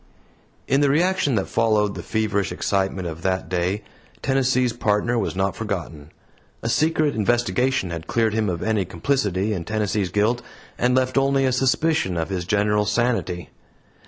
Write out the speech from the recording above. In the reaction that followed the feverish excitement of that day, Tennessee's Partner was not forgotten. A secret investigation had cleared him of any complicity in Tennessee's guilt, and left only a suspicion of his general sanity.